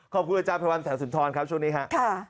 ขอบคุณอาจารย์พระวันแถวสุนทรครับช่วงนี้ครับ